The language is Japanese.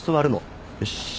よし。